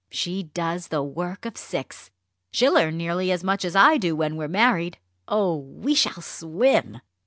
She does the work of six. She'll earn nearly as much as I do when we're married. Oh! we shall swim!"